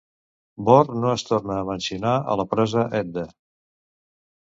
Borr no es torna a mencionar a la "Prosa Edda".